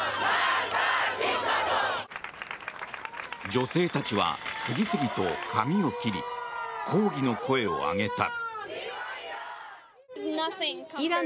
女性たちは次々と髪を切り抗議の声を上げた。